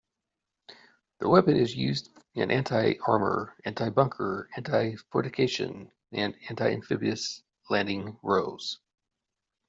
The weapon is used in anti-armor, anti-bunker, anti-fortification and anti-amphibious landing roles.